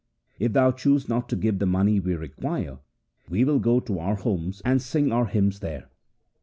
If thou choose not to give the money we require, we will go to our homes and sing our hymns there.'